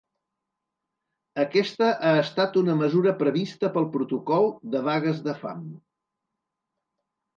Aquesta ha estat una mesura prevista pel protocol de vagues de fam.